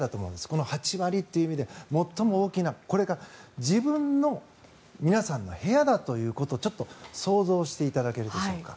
この８割っていう意味で最も大きなこれが自分の皆さんの部屋だということをちょっと想像していただけるでしょうか。